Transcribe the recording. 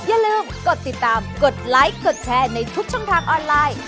อย่าลืมกดติดตามกดไลค์กดแชร์ในทุกช่องทางออนไลน์